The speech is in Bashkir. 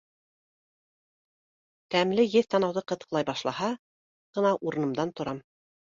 Тәмле еҫ танауҙы ҡытыҡлай башлаһа ғына урынымдан торам.